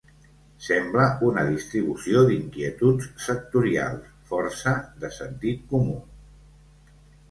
Sembla una distribució d’inquietuds sectorials, força de sentit comú.